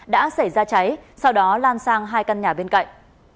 đã xảy ra cháy sau đó lan sang hai căn nhà bên cạnh